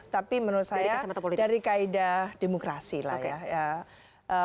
tapi menurut saya dari kaedah demokrasi lah ya